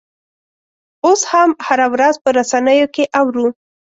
اوس هم هره ورځ په رسنیو کې اورو.